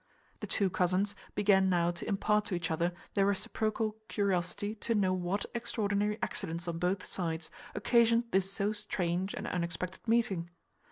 The two cousins began now to impart to each other their reciprocal curiosity to know what extraordinary accidents on both sides occasioned this so strange and unexpected meeting.